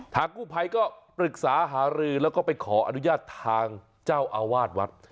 กู้ภัยก็ปรึกษาหารือแล้วก็ไปขออนุญาตทางเจ้าอาวาสวัด